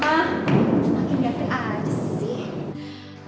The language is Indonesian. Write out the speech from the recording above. makin gateng aja sih